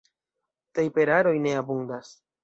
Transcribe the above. Tajperaroj ne abundas.